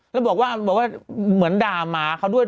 แล้วบอกว่าเหมือนด่าหมาเขาด้วย